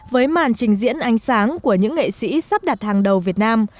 với màn trình diễn ánh sáng của những nghệ sĩ sắp đặt hàng đầu việt nam